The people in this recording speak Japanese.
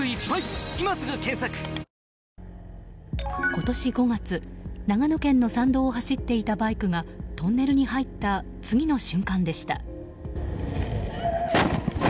今年５月、長野県の山道を走っていたバイクがトンネルに入った次の瞬間でした。